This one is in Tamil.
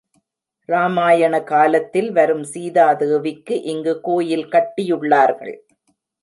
ராமாயண காலத்தில் வரும் சீதா தேவிக்கு இங்கு கோயில் கட்டியுள்ளார்கள்.